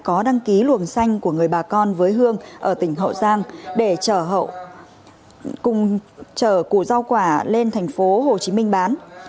có đăng ký luồng xanh của người bà con với hương ở tỉnh hậu giang để trở củ rau quả lên tp hcm bán